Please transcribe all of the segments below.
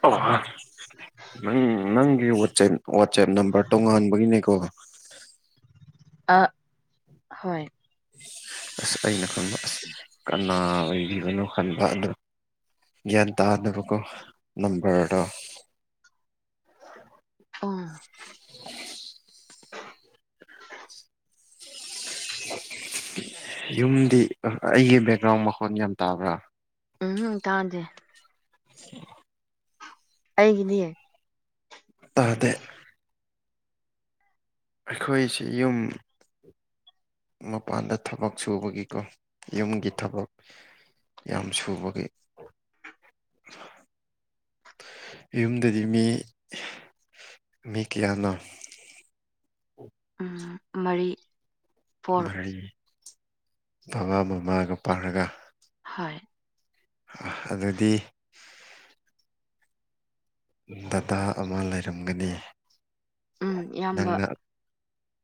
ꯑꯣ ꯅꯪ ꯅꯪꯒꯤ ꯋꯥꯠꯆꯦꯞ ꯋꯥꯠꯆꯦꯞ ꯅꯝꯕꯔ ꯇꯣꯉꯥꯟꯕꯒꯤꯅꯦꯀꯣ ꯑꯥ ꯍꯣꯏ ꯑꯁ ꯑꯩꯅ ꯈꯪꯕ ꯑꯁ ꯀꯟꯅꯥ ꯑꯣꯏꯒꯤꯕꯅꯣ ꯈꯟ ꯕꯥ ꯑꯗꯨ ꯒ꯭ꯌꯥꯟ ꯇꯥꯗꯕꯀꯣ ꯅꯝꯕꯔꯗꯣ ꯎꯝ [inaudible] ꯌꯨꯝꯗꯤ ꯑꯥ ꯑꯩꯒꯤ ꯕꯦꯛꯒ꯭ꯔꯥꯎꯟ ꯃꯈꯣꯟ ꯌꯥꯝ ꯇꯥꯕ꯭ꯔꯥ ꯎꯝꯍꯝ ꯇꯥꯗꯦ [inaudible] ꯑꯩꯒꯤꯗꯤ ꯇꯥꯗꯦ ꯑꯩꯈꯣꯏꯁꯤ ꯌꯨꯝ ꯃꯄꯥꯟꯗ ꯊꯕꯛ ꯁꯨꯕꯒꯤꯀꯣ ꯌꯨꯝꯒꯤ ꯊꯕꯛ ꯌꯥꯝ ꯁꯨꯕꯒꯤ [inaudible] ꯌꯨꯝꯗꯗꯤ ꯃꯤ ꯃꯤ ꯀꯌꯥꯅꯣ ꯎꯝ ꯃꯔꯤ ꯐꯣꯔ ꯃꯔꯤ ꯕꯕꯥ ꯃꯃꯥꯒ ꯄꯥꯔꯒ ꯍꯣꯢ ꯑꯗꯨꯗꯤ ꯗꯗꯥ ꯑꯃ ꯂꯩꯔꯝꯒꯅꯤ ꯎꯝ ꯏꯌꯥꯝꯕ ꯅꯪꯅ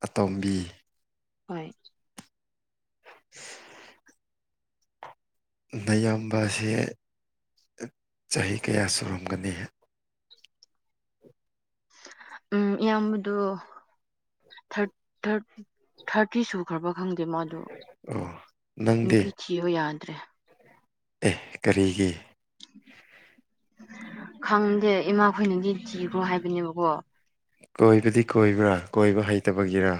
ꯑꯇꯣꯝꯕꯤ ꯍꯣꯏ [inaudible] ꯅꯌꯥꯝꯕꯁꯦ ꯆꯍꯤ ꯀꯌꯥ ꯁꯨꯔꯝꯒꯅꯤ ꯎꯝ ꯢꯌꯥꯝꯕꯗꯨ ꯊꯔꯠ ꯊꯔꯠ ꯊꯔꯇꯤ ꯁꯨꯈ꯭ꯔꯕ ꯈꯪꯗꯦ ꯃꯥꯗꯨ ꯑꯣ ꯅꯪꯗꯤ ꯊꯤꯌꯣ ꯌꯥꯗ꯭ꯔꯦ ꯑꯦ ꯀꯔꯤꯒꯤ ꯈꯪꯗꯦ ꯏꯃꯥ ꯈꯣꯏꯅꯗꯤ ꯊꯤꯈ꯭ꯔꯣ ꯍꯥꯏꯕꯅꯦꯕꯀꯣ ꯀꯣꯏꯕꯗꯤ ꯀꯣꯏꯕ꯭ꯔꯥ ꯀꯣꯏꯕ ꯍꯩꯇꯕꯒꯤꯔꯥ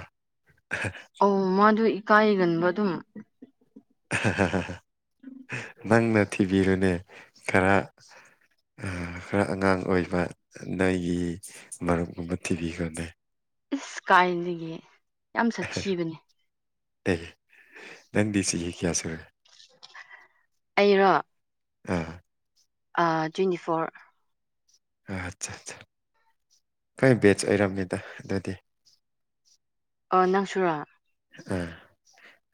[unintelligible] ꯑꯧ ꯃꯥꯗꯨ ꯏꯀꯥꯏꯒꯟꯕ ꯑꯗꯨꯝ ꯑꯥ ꯍ ꯍ ꯍ ꯍ ꯅꯪꯅ ꯊꯤꯕꯤꯔꯨꯅꯦ ꯈꯔ ꯑꯥ ꯈꯔ ꯑꯉꯥꯡ ꯑꯣꯏꯕ ꯅꯣꯢꯒꯤ ꯃꯔꯨꯞꯀꯨꯝꯕ ꯊꯤꯕꯤꯈꯣꯅꯦ ꯏꯁ ꯀꯥꯏꯗꯒꯤ ꯌꯥꯝ ꯁꯥꯊꯤꯕꯅꯦ ꯑꯦ ꯅꯪꯗꯤ ꯆꯤꯍꯤ ꯀꯌꯥ ꯁꯨꯔꯒꯦ ꯑꯩꯔꯣ ꯑꯥ ꯑ ꯇ꯭ꯋꯦꯟꯇꯤ ꯐꯣꯔ ꯑ ꯆꯥ ꯆꯥ ꯈꯣꯢ ꯕꯦꯠꯆ ꯑꯣꯏꯔꯝꯃꯤꯗ ꯗꯨꯗꯤ ꯑꯣ ꯅꯪꯁꯨꯔꯥ ꯑꯥ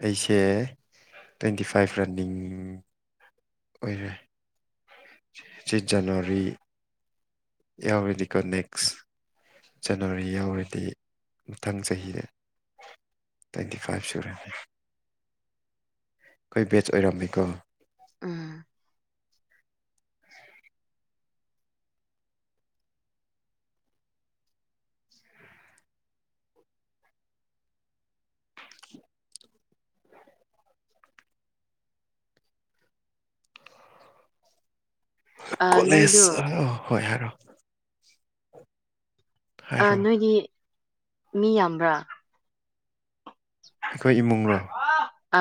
ꯑꯩꯁꯦ ꯇ꯭ꯋꯦꯟꯇꯤ ꯐꯥꯏꯚ ꯔꯟꯅꯤꯡ ꯑꯣꯏꯔꯦ ꯁꯤ ꯖꯟꯋꯥꯔꯤ ꯌꯥꯋꯦꯅꯤꯀꯣ ꯅꯦꯛꯁ ꯖꯅꯋꯥꯔꯤ ꯌꯥꯎꯔꯗꯤ ꯃꯊꯪ ꯆꯍꯤꯗ ꯇ꯭ꯋꯦꯟꯇꯤ ꯐꯥꯏꯚ ꯁꯨꯔꯅꯤ ꯑꯩꯈꯣꯏ ꯕꯦꯠꯆ ꯑꯣꯏꯔꯝꯃꯦꯀꯣ ꯎꯝ ꯑꯥ ꯀꯣꯂꯦꯖ ꯅꯣꯏꯗꯨ ꯆꯥꯔꯣ ꯍꯣꯏ ꯍꯥꯏꯔꯣ ꯑ ꯍꯥꯏꯔꯣ ꯅꯣꯏꯒꯤ ꯃꯤ ꯌꯥꯝꯕ꯭ꯔꯥ ꯑꯩꯈꯣꯏ ꯏꯃꯨꯡꯔꯣ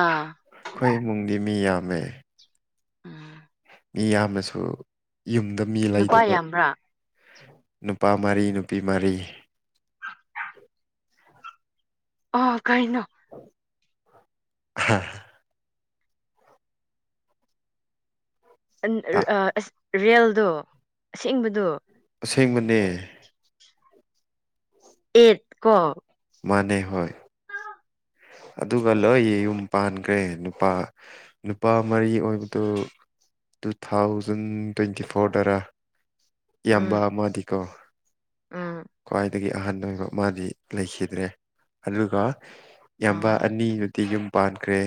ꯑꯥ ꯏꯃꯨꯡꯗꯤ ꯃꯤ ꯌꯥꯝꯃꯦ ꯎꯝ ꯃꯤ ꯌꯥꯝꯃꯁꯨ ꯌꯨꯝꯗ ꯃꯤ ꯅꯨꯄꯥ ꯂꯩꯗꯕ ꯌꯥꯝꯕ꯭ꯔꯥ ꯅꯨꯄꯥ ꯃꯔꯤ ꯅꯨꯄꯤ ꯃꯔꯤ ꯑ ꯀꯥꯏꯅꯣ ꯍꯥ ꯑꯟ ꯑꯔ ꯑ ꯑꯁ ꯔꯦꯜꯗꯣ ꯑꯁꯦꯡꯕꯗꯣ ꯑꯁꯦꯡꯕꯅꯦ ꯑꯦꯠ ꯀꯣ ꯃꯥꯅꯦ ꯍꯣꯏ ꯑꯗꯨꯒ ꯂꯣꯏ ꯌꯨꯝ ꯄꯥꯟꯒ꯭ꯔꯦ ꯅꯨꯄꯥ ꯅꯨꯄꯥ ꯃꯔꯤ ꯑꯣꯏꯕꯗꯨ ꯇꯨ ꯊꯥꯎꯖꯟ ꯇ꯭ꯋꯦꯟꯇꯤ ꯐꯣꯔꯗꯔꯥ ꯏꯌꯥꯝꯕ ꯎꯝ ꯑꯃꯥꯗꯤꯀꯣ ꯎꯝ ꯈ꯭ꯋꯥꯏꯗꯒꯤ ꯑꯍꯟ ꯑꯣꯏꯕ ꯃꯥꯗꯤ ꯂꯩꯈꯤꯗ꯭ꯔꯦ ꯑꯗꯨꯒ ꯏꯌꯥꯝꯕ ꯑꯥ ꯑꯅꯤꯗꯨꯗꯤ ꯌꯨꯝ ꯄꯥꯟꯈ꯭ꯔꯦ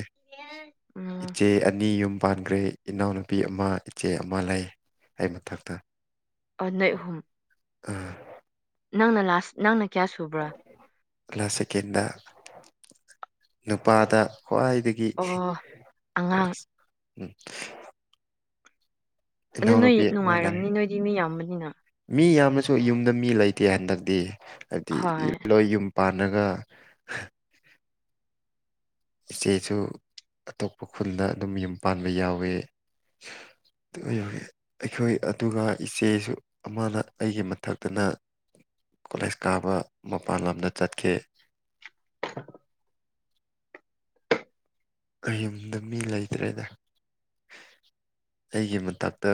ꯎꯝ ꯏꯆꯦ ꯑꯅꯤ ꯌꯨꯝ ꯄꯥꯟꯈ꯭ꯔꯦ ꯏꯅꯥꯎꯅꯨꯄꯤ ꯑꯃ ꯏꯆꯦ ꯑꯃ ꯂꯩ ꯑꯩ ꯃꯊꯛꯇ ꯑ ꯅꯣꯢ ꯑꯍꯨꯝ ꯎꯝ ꯅꯪꯅ ꯂꯥꯁ ꯅꯪꯅ ꯀꯌꯥ ꯁꯨꯕ꯭ꯔꯥ ꯂꯥꯁ ꯁꯦꯀꯦꯟꯗ ꯅꯨꯄꯥꯗ ꯈ꯭ꯋꯥꯏꯗ ꯒꯤ ꯑꯣ ꯑꯉꯥꯡ ꯂꯥꯁ ꯑꯗꯨ ꯅꯣꯏ ꯏꯅꯥꯎꯅꯨꯄꯤ ꯑꯃ ꯂꯩ ꯅꯨꯡꯉꯥꯏꯔꯝꯅꯤ ꯅꯣꯏꯗꯤ ꯃꯤ ꯌꯥꯝꯕꯅꯤꯅ ꯃꯤ ꯌꯥꯝꯃꯁꯨ ꯌꯨꯝꯗ ꯃꯤ ꯂꯩꯇꯦ ꯍꯟꯗꯛꯇꯤ ꯍꯥꯏꯕꯗꯤ ꯍꯣꯏ ꯂꯣꯏ ꯌꯨꯝ ꯄꯥꯟꯂꯒ ꯏꯆꯦꯁꯨ ꯑꯇꯣꯞꯄ ꯈꯨꯟꯗ ꯑꯗꯨꯝ ꯌꯨꯝ ꯄꯥꯟꯕ ꯌꯥꯎꯋꯦ [unintelligible] ꯑꯩꯈꯣꯏ ꯑꯗꯨꯒ ꯏꯆꯦꯁꯨ ꯑꯃꯅ ꯑꯩꯒꯤ ꯃꯊꯛꯇꯅ ꯀꯣꯂꯦꯖ ꯀꯥꯕ ꯃꯄꯥꯟ ꯂꯝꯗ ꯆꯠꯈꯤ [unintelligible] ꯀꯩ ꯌꯨꯝꯗ ꯃꯤ ꯂꯩꯇ꯭ꯔꯦꯗ ꯑꯩꯒꯤ ꯃꯇꯛꯇ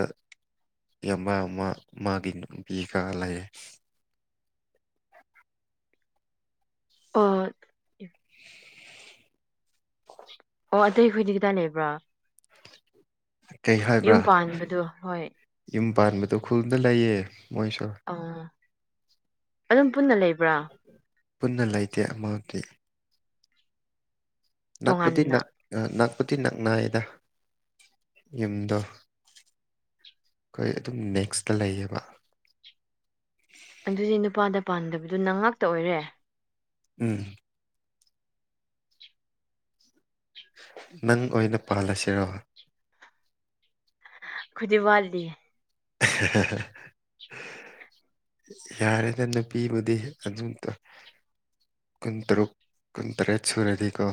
ꯌꯦꯟꯕ ꯑꯃ ꯃꯥꯒꯤ ꯅꯨꯄꯤꯒ ꯂꯩꯌꯦ ꯑꯣ [inaudible] ꯑꯣ ꯑꯇꯩꯈꯣꯏꯗꯤ ꯀꯗꯥꯏ ꯂꯩꯕ꯭ꯔꯥ ꯀꯩ ꯍꯥꯏꯕ꯭ꯔꯥ ꯌꯨꯝ ꯄꯥꯟꯕꯗꯣ ꯍꯣꯏ ꯌꯨꯝ ꯄꯥꯟꯕꯗꯣ ꯈꯨꯜꯗ ꯂꯩꯌꯦ ꯃꯣꯏꯁꯨ ꯑꯣ ꯑꯗꯨꯝ ꯄꯨꯟꯅ ꯂꯩꯕ꯭ꯔꯥ ꯄꯨꯟꯅ ꯂꯩꯇꯦ ꯑꯃꯗꯤ ꯅꯛꯄꯨꯗꯤ ꯇꯣꯉꯥꯟꯅ ꯅꯛ ꯅꯛꯄꯨꯗꯤ ꯅꯛꯅꯩꯌꯦꯗ ꯌꯨꯝꯗꯣ ꯑꯩꯈꯣꯏ ꯑꯗꯨꯝ ꯅꯦꯛꯁꯇ ꯂꯩꯌꯦꯕ ꯑꯗꯨꯗꯤ ꯅꯨꯄꯥꯗ ꯄꯥꯟꯗꯕꯗꯣ ꯅꯪ ꯉꯥꯛꯇ ꯑꯣꯏꯔꯦ ꯎꯝ ꯅꯪ ꯑꯣꯏꯅ ꯄꯥꯜꯂꯁꯤꯔꯣ ꯈꯣꯢꯗꯤ ꯋꯥꯠꯂꯤ ꯑꯦ ꯍꯦ ꯍꯦ ꯍꯦ ꯌꯥꯔꯦꯗ ꯅꯨꯄꯤꯕꯨꯗꯤ ꯑꯗꯨꯝ ꯀꯨꯟꯇꯔꯨꯛ ꯀꯨꯟꯇꯔꯦꯠ ꯁꯨꯔꯗꯤꯀꯣ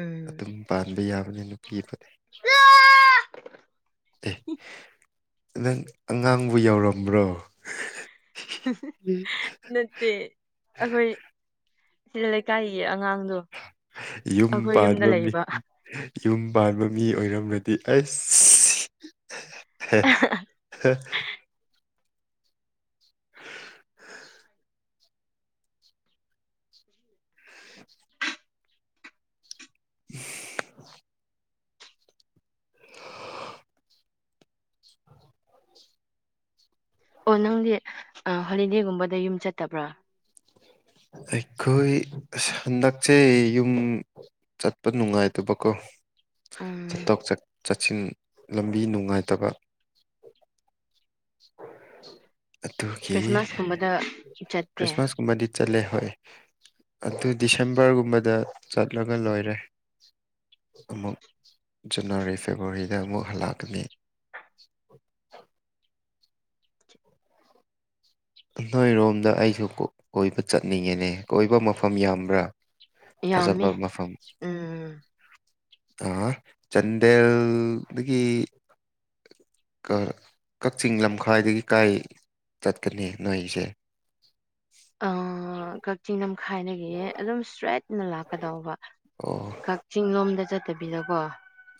ꯎꯝ ꯑꯗꯨꯝ ꯄꯥꯟꯕ ꯌꯥꯕꯅꯦ ꯅꯨꯄꯤꯕꯨꯗꯤ ꯑꯦ ꯅꯪ ꯑꯉꯥꯡꯕꯨ ꯌꯥꯎꯔꯝꯕ꯭ꯔꯣ [unintelligible] ꯅꯠꯇꯦ ꯑꯈꯣꯏ ꯂꯩꯀꯥꯏꯒꯤ ꯑꯉꯥꯡꯗꯨ ꯌꯨꯝ ꯄꯥꯟꯕ ꯃꯤ ꯌꯨꯝ ꯄꯥꯟꯕ ꯃꯤ ꯑꯣꯏꯔꯝꯔꯗꯤ ꯑꯩꯁ ꯍꯦ ꯍꯦ [inaudible] [inaudible] [inaudible] ꯑꯣ ꯅꯪꯗꯤ ꯑꯥ ꯍꯣꯂꯤꯗꯦꯒꯨꯝꯕꯗ ꯌꯨꯝ ꯆꯠꯇꯕ꯭ꯔꯥ ꯑꯩꯈꯣꯏ ꯑꯁ ꯍꯟꯗꯛꯁꯦ ꯌꯨꯝ ꯆꯠꯄ ꯅꯨꯡꯉꯥꯏꯇꯕꯀꯣ ꯎꯝ ꯆꯠꯊꯣꯛ ꯆꯠ ꯆꯠꯁꯤꯟ ꯂꯝꯕꯤ ꯅꯨꯡꯉꯥꯏꯇꯕ ꯑꯗꯨꯒꯤ ꯈ꯭ꯔꯤꯁꯃꯥꯁꯀꯨꯝꯕꯗ ꯆꯠꯇꯦ ꯈ꯭ꯔꯤꯁꯃꯥꯁ ꯀꯨꯝꯕꯗꯤ ꯆꯠꯂꯦ ꯍꯣꯏ ꯑꯗꯨ ꯗꯤꯁꯦꯝꯕꯔꯒꯨꯝꯕꯗ ꯆꯠꯂꯒ ꯂꯣꯏꯔꯦ ꯑꯃꯨꯛ ꯖꯅꯋꯥꯔꯤ ꯐꯦꯕꯋꯥꯔꯤꯗ ꯑꯃꯨꯛ ꯍꯜꯂꯛꯀꯅꯤ ꯅꯣꯏꯔꯣꯝꯗ ꯑꯩꯁꯨ ꯀꯣꯏꯕ ꯆꯠꯅꯤꯡꯉꯦꯅꯦ ꯀꯣꯏꯕ ꯃꯐꯝ ꯌꯥꯝꯕ꯭ꯔꯥ ꯐꯖꯕ ꯌꯥꯝꯃꯤ ꯃꯐꯝ ꯎꯝ ꯑꯣ ꯆꯥꯟꯗꯦꯜꯗꯒꯤ ꯀꯥ ꯀꯛꯆꯤꯡ ꯂꯝꯈꯥꯏꯗꯒꯤ ꯀꯥꯏ ꯆꯠꯀꯅꯤ ꯅꯣꯏꯒꯤꯁꯦ ꯑꯥ ꯀꯛꯆꯤꯡ ꯂꯝꯈꯥꯏꯗꯒꯤ ꯑꯗꯨꯝ ꯁꯇ꯭ꯔꯦꯠꯅ ꯂꯥꯛꯀꯗꯧꯕ ꯑꯣ ꯀꯛꯆꯤꯡ ꯂꯣꯝꯗ ꯆꯠꯇꯕꯤꯗꯀꯣ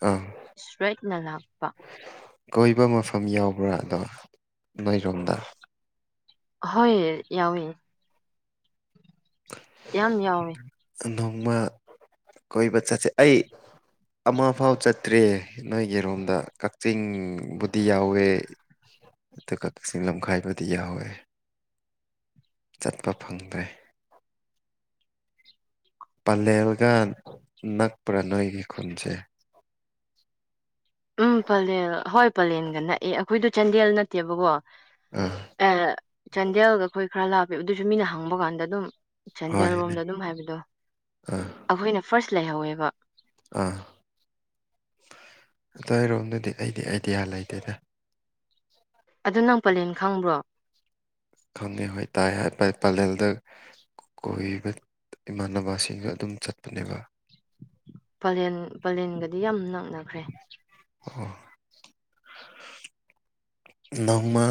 ꯑꯥ ꯁꯇ꯭ꯔꯦꯠꯅ ꯂꯥꯛꯄ ꯀꯣꯏꯕ ꯃꯐꯝ ꯌꯥꯎꯕ꯭ꯔꯥ ꯑꯗꯣ ꯅꯣꯏꯔꯣꯝꯗ ꯍꯣꯏ ꯌꯥꯎꯋꯦ ꯌꯥꯝ ꯌꯥꯎꯋꯦ ꯅꯣꯡꯃ ꯀꯣꯏꯕ ꯆꯠꯁꯦ ꯑꯩ ꯑꯃ ꯐꯥꯎ ꯆꯠꯇ꯭ꯔꯦ ꯅꯣꯏꯒꯤꯔꯣꯝꯗ ꯀꯛꯆꯤꯡꯕꯨꯗꯤ ꯌꯥꯎꯋꯦ ꯑꯗꯨꯒ ꯀꯛꯆꯤꯡ ꯂꯝꯈꯥꯏꯕꯨꯗꯤ ꯌꯥꯎꯋꯦ ꯆꯠꯄ ꯐꯪꯗꯦ ꯄꯂꯦꯜꯒ ꯅꯛꯄ꯭ꯔꯥ ꯅꯣꯏꯒꯤ ꯈꯨꯟꯁꯦ ꯎꯝ ꯄꯂꯦꯜ ꯍꯣꯏ ꯄꯂꯦꯟꯒ ꯅꯛꯑꯦ ꯑꯈꯣꯏꯗꯨ ꯆꯥꯟꯗꯦꯜ ꯅꯠꯇꯦꯕꯀꯣ ꯎꯝ ꯑꯥ ꯆꯥꯟꯗꯦꯜꯒ ꯑꯩꯈꯣꯏ ꯈꯔ ꯂꯥꯛꯄꯦꯕ ꯑꯗꯨꯁꯨ ꯃꯤꯅ ꯍꯪꯕ ꯀꯥꯟꯗ ꯑꯗꯨꯝ ꯆꯥꯟꯗꯦꯜ ꯍꯣꯏꯅꯦ ꯔꯣꯝꯗ ꯑꯗꯨꯝ ꯍꯥꯏꯕꯗꯣ ꯑꯥ ꯑꯈꯣꯏꯅ ꯐꯥꯔꯁ ꯂꯩꯍꯧꯋꯦꯕ ꯑꯥ ꯅꯣꯏꯔꯣꯝꯗꯗꯤ ꯑꯩꯗꯤ ꯑꯥꯏꯗꯤꯌꯥ ꯂꯩꯇꯦꯗ ꯑꯗꯨ ꯅꯪ ꯄꯂꯦꯟ ꯈꯪꯕ꯭ꯔꯣ ꯈꯪꯗꯦ ꯍꯣꯏ ꯇꯥꯏ [unintelligible] ꯄꯥꯂꯦꯜꯗ ꯀꯣꯏꯕ ꯏꯃꯥꯟꯅꯕꯁꯤꯡꯒ ꯑꯗꯨꯝ ꯆꯠꯄꯅꯦꯕ ꯄꯂꯦꯟ ꯄꯂꯦꯟꯒꯗꯤ ꯌꯥꯝ ꯅꯛꯅꯈ꯭ꯔꯦ ꯑꯣ ꯅꯣꯡꯃꯥ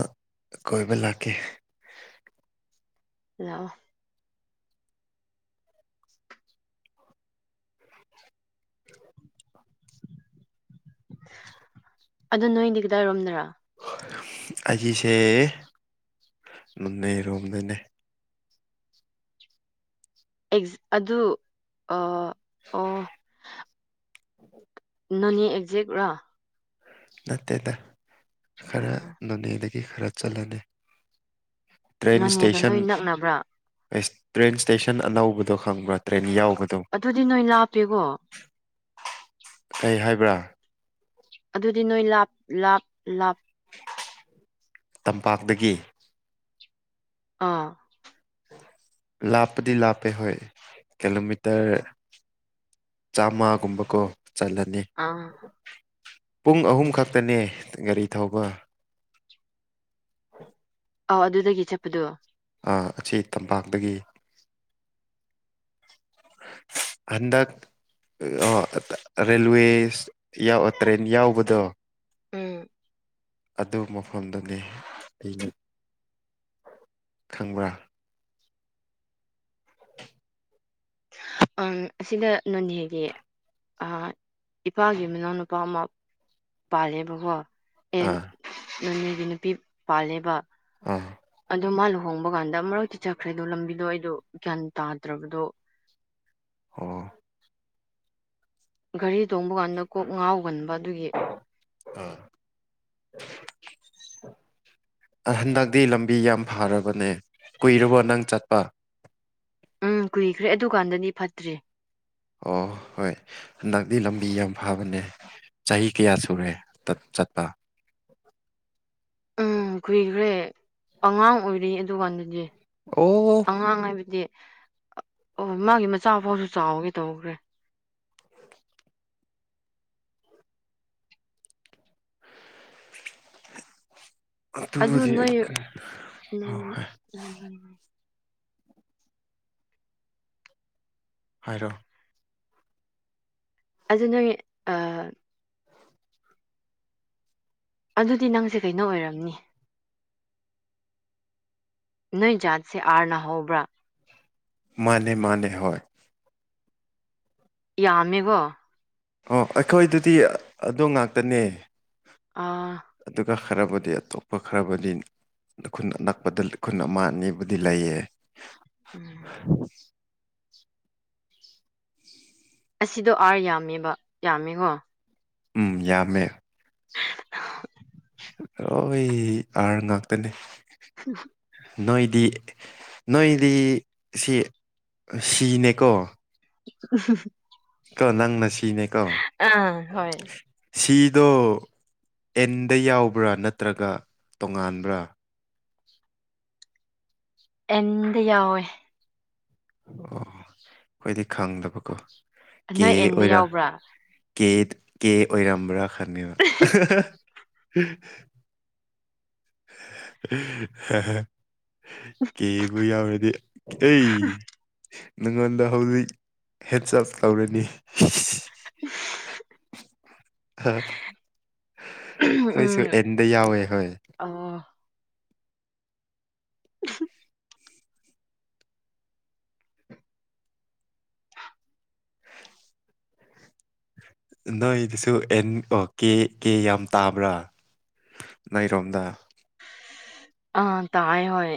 ꯀꯣꯢꯕ ꯂꯥꯛꯀꯦ ꯂꯥꯛꯑꯣ ꯑꯗꯨ ꯅꯣꯏꯗꯤ ꯀꯗꯥꯏꯔꯣꯝꯗꯔꯥ ꯑꯩꯒꯤꯁꯦ ꯅꯣꯅꯦ ꯔꯣꯝꯗꯩꯅꯦ ꯑꯩꯒꯤ ꯑꯗꯨ ꯑꯥ ꯑꯣ ꯅꯣꯅꯦ ꯑꯦꯛꯖꯦꯛ ꯔꯥ ꯅꯠꯇꯦꯗ ꯈꯔ ꯎꯝ ꯅꯣꯅꯦꯗꯒꯤ ꯈꯔ ꯆꯠꯂꯅꯤ ꯇ꯭ꯔꯦꯟ ꯅꯣꯅꯦꯒ ꯁ꯭ꯇꯦꯁꯟ ꯅꯣꯏ ꯅꯛꯅꯕ꯭ꯔꯥ [unintelligible] ꯇ꯭ꯔꯦꯟ ꯁ꯭ꯇꯦꯁꯟ ꯑꯅꯧꯕꯗꯣ ꯈꯪꯕ꯭ꯔꯥ ꯇ꯭ꯔꯦꯟ ꯌꯥꯎꯕꯗꯣ ꯑꯗꯨꯗꯤ ꯅꯣꯏ ꯂꯥꯞꯄꯦꯀꯣ ꯀꯩ ꯍꯥꯏꯕ꯭ꯔꯥ ꯑꯗꯨꯗꯤ ꯅꯣꯏ ꯂꯥꯞ ꯂꯥꯞ ꯂꯥꯞ ꯇꯝꯄꯥꯛꯇꯒꯤ ꯑꯥ ꯂꯥꯞꯄꯗꯤ ꯂꯥꯞꯄꯦ ꯍꯣꯏ ꯀꯦꯂꯣꯃꯤꯇꯔ ꯆꯥꯝꯃꯒꯨꯝꯕꯀꯣ ꯆꯠꯂꯅꯤ ꯑꯥꯡ ꯄꯨꯡ ꯑꯍꯨꯝ ꯈꯛꯇꯅꯦ ꯒꯥꯔꯤ ꯊꯧꯕ ꯑꯧ ꯑꯗꯨꯗꯒꯤ ꯆꯠꯄꯗꯨ ꯑꯥ ꯑꯁꯤ ꯇꯝꯄꯥꯛꯇꯒꯤ ꯍꯟꯗꯛ ꯑꯣ ꯑꯗ ꯔꯦꯜꯋꯦꯁ ꯌꯥꯎ ꯇ꯭ꯔꯦꯟ ꯌꯥꯎꯕꯗꯣ ꯎꯝ ꯑꯗꯨ ꯃꯐꯝꯗꯨꯅꯦ ꯑꯩꯅ ꯈꯪꯕ꯭ꯔꯥ ꯑꯥꯡ ꯑꯁꯤꯅ ꯅꯣꯅꯦꯒꯤ ꯑꯥ ꯏꯄꯥꯒꯤ ꯃꯅꯥꯎꯅꯨꯄꯥ ꯑꯃ ꯄꯥꯜꯂꯦꯕꯀꯣ ꯑꯦꯟ ꯑꯥ ꯅꯣꯅꯦꯒꯤ ꯅꯨꯄꯤ ꯄꯥꯜꯂꯦꯕ ꯑꯥ ꯗꯣ ꯃꯥ ꯂꯨꯍꯣꯡꯕ ꯀꯥꯟꯗ ꯑꯃꯔꯛꯇꯤ ꯆꯠꯈ꯭ꯔꯦ ꯑꯗꯣ ꯂꯝꯕꯤꯗꯣ ꯑꯩꯗꯣ ꯒ꯭ꯌꯥꯟ ꯇꯥꯗ꯭ꯔꯕꯗꯣ ꯑꯣ ꯒꯥꯔꯤ ꯇꯣꯡꯕ ꯀꯥꯟꯗ ꯀꯣꯛ ꯉꯥꯎꯒꯟꯕ ꯑꯗꯨꯒꯤ ꯑꯥ [inaudible] ꯑꯥ ꯍꯟꯗꯛꯇꯤ ꯂꯝꯕꯤ ꯌꯥꯝ ꯐꯔꯕꯅꯦ ꯀꯨꯏꯔꯕꯣ ꯅꯪ ꯆꯠꯄ ꯎꯝ ꯀꯨꯏꯈ꯭ꯔꯦ ꯑꯗꯨꯀꯥꯟꯗꯗꯤ ꯐꯠꯇ꯭ꯔꯤ ꯑꯣ ꯍꯣꯏ ꯍꯟꯗꯛꯇꯤ ꯂꯝꯕꯤ ꯌꯥꯝ ꯐꯕꯅꯦ ꯆꯍꯤ ꯀꯌꯥ ꯁꯨꯔꯦ ꯇꯠ ꯆꯠꯄ ꯎꯝ ꯀꯨꯏꯈ꯭ꯔꯦ ꯑꯉꯥꯡ ꯑꯣꯏꯔꯤ ꯑꯗꯨꯀꯥꯟꯗꯗꯤ ꯑꯣ ꯑꯉꯥꯡ ꯍꯥꯏꯕꯗꯤ ꯑꯣ ꯃꯥꯒꯤ ꯃꯆꯥ ꯐꯥꯎꯁꯨ ꯆꯥꯎꯒꯦ ꯇꯧꯈ꯭ꯔꯦ ꯑꯗꯨ ꯑꯗꯨꯗꯤ ꯅꯣꯏ ꯅꯣꯏ ꯍꯧ ꯍꯦ [unintelligible] ꯍꯥꯏꯔꯣ ꯑꯗꯨ ꯅꯣꯏ ꯑꯥ ꯑꯗꯨꯗꯤ ꯅꯪꯖꯦ ꯀꯩꯅꯣ ꯑꯣꯏꯔꯝꯅꯤ ꯅꯣꯏ ꯖꯥꯠꯁꯦ ꯑꯥꯔꯅ ꯍꯧꯕ꯭ꯔꯥ ꯃꯥꯅꯦ ꯃꯥꯅꯦ ꯍꯣꯏ ꯌꯥꯝꯃꯦꯀꯣ ꯑꯣ ꯑꯩꯈꯣꯏꯗꯨꯗꯤ ꯑꯥ ꯑꯗꯨ ꯉꯥꯛꯇꯅꯦ ꯑꯥ ꯑꯗꯨꯒ ꯈꯔꯕꯨꯗꯤ ꯑꯇꯣꯞꯄ ꯈꯔꯕꯨꯗꯤ ꯈꯨꯟ ꯑꯅꯛꯄꯗ ꯈꯨꯟ ꯑꯃ ꯑꯅꯤꯕꯨꯗꯤ ꯂꯩꯌꯦ ꯎꯝ ꯑꯁꯤꯗꯣ ꯑꯥꯔ ꯌꯥꯝꯃꯦꯕ ꯌꯥꯝꯃꯦꯀꯣ ꯎꯝ ꯌꯥꯝꯃꯦ ꯂꯣꯏ ꯑꯥꯔ ꯉꯥꯛꯇꯅꯦ [inaudible] ꯅꯣꯏꯗꯤ ꯅꯣꯏꯗꯤ ꯁꯤ ꯁꯤꯅꯦꯀꯣ [unintelligible] ꯀꯣ ꯅꯪꯅ ꯁꯤꯅꯦ ꯀꯣ ꯑꯥ ꯍꯣꯏ ꯁꯤꯗꯣ ꯑꯦꯟꯗ ꯌꯥꯎꯕ꯭ꯔꯥ ꯅꯠꯇ꯭ꯔꯒ ꯇꯣꯉꯥꯟꯕ꯭ꯔꯥ ꯑꯦꯟꯗꯥ ꯌꯥꯎꯋꯦ ꯑꯣ ꯑꯈꯣꯏꯗꯤ ꯈꯪꯗꯕꯀꯣ ꯀꯦ ꯅꯣꯏ ꯑꯦꯟꯗ ꯑꯣꯏꯔ ꯌꯥꯎꯕ꯭ꯔꯥ ꯀꯦ ꯀꯦ ꯑꯣꯏꯔꯝꯕ꯭ꯔꯥ ꯈꯪꯗꯦꯕ [unintelligible] ꯀꯦꯕꯨ ꯌꯥꯎꯔꯗꯤ ꯑꯩ ꯅꯪꯉꯣꯟꯗ ꯍꯧꯖꯤꯛ ꯍꯦꯟꯆꯞ ꯇꯧꯔꯅꯤ ꯍꯥ ꯑꯩꯈꯣꯏꯁꯨ ꯎꯝ ꯑꯦꯟꯗ ꯌꯥꯎꯋꯦ ꯍꯣꯏ ꯑꯣ [inaudible] ꯅꯣꯏꯗꯁꯨ ꯑꯦꯟ ꯑꯣ ꯀꯦ ꯀꯦ ꯌꯥꯝ ꯇꯥꯕ꯭ꯔꯥ ꯅꯣꯏꯔꯣꯝꯗ ꯑꯥ ꯇꯥꯏ ꯍꯣꯏ